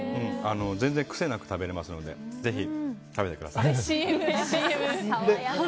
全然癖なく食べれますのでぜひ食べてください。